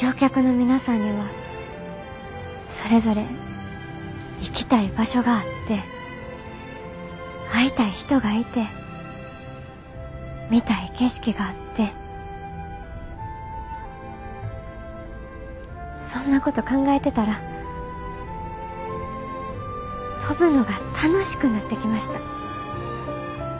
乗客の皆さんにはそれぞれ行きたい場所があって会いたい人がいて見たい景色があってそんなこと考えてたら飛ぶのが楽しくなってきました。